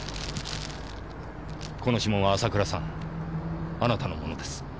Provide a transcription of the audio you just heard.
この指紋は浅倉さんあなたのものです。